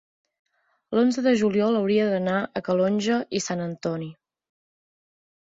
l'onze de juliol hauria d'anar a Calonge i Sant Antoni.